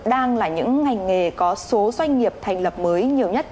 đang là những ngành nghề có số doanh nghiệp thành lập mới nhiều nhất